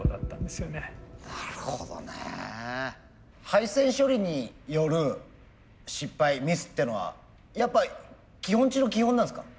配線処理による失敗ミスっていうのはやっぱり基本中の基本なんですか？